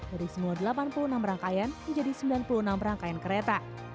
dari semua delapan puluh enam rangkaian menjadi sembilan puluh enam rangkaian kereta